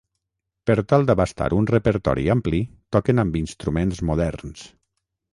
Per tal d'abastar un repertori ampli toquen amb instruments moderns.